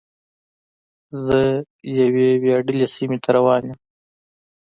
زه یوې ویاړلې سیمې ته روان یم.